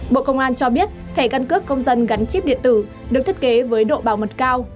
bộ công an cho biết thẻ căn cước công dân gắn chip điện tử được thiết kế với độ bảo mật cao